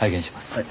はい。